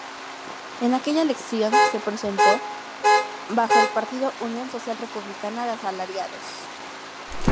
En aquella elección se presentó bajo el Partido Unión Social Republicana de Asalariados.